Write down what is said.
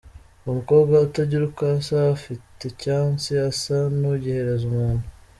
Uwo mukobwa utagira uko asa afite icyansi asa n’ugihereza umuntu.